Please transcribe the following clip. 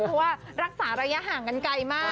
เพราะว่ารักษาระยะห่างกันไกลมาก